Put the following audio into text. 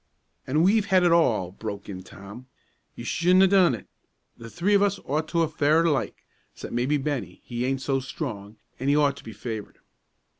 "An' we've had it all!" broke in Tom. "You shouldn't a done it. The three of us ought to a' fared alike 'cept, maybe, Bennie; he aint so strong, an' he ought to be favored."